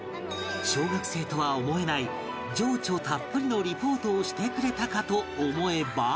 小学生とは思えない情緒たっぷりのリポートをしてくれたかと思えば